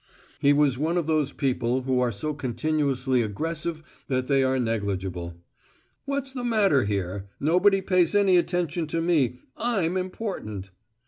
He was one of those people who are so continuously aggressive that they are negligible. "What's the matter here? Nobody pays any attention to me. I'M important!"